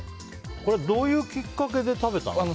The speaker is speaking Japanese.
これはどういうきっかけで食べたの？